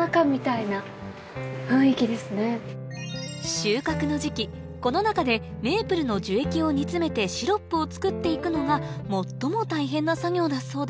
収穫の時期この中でメープルの樹液を煮詰めてシロップを作っていくのが最も大変な作業だそうで